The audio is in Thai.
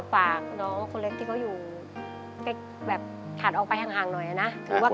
ฝากคนเล็กที่เขาอยู่